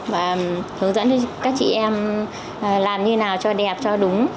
và hướng dẫn cho các chị em làm như nào cho đẹp cho đúng